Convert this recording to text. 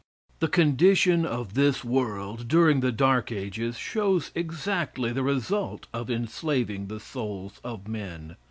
The condition of this world during the dark ages shows exactly the result of enslaving the souls of men.